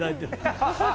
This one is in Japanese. ハハハ！